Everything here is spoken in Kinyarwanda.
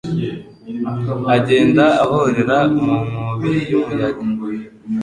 agenda ahorera mu nkubi y’umuyaga